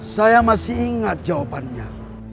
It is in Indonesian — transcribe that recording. saya masih ingat jawabannya